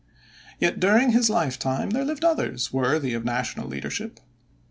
Yet during his lifetime there lived others worthy of national leadership.